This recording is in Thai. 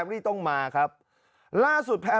มีพฤติกรรมเสพเมถุนกัน